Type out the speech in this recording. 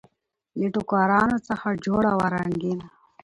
له ټوکرانو څخه جوړه وه رنګینه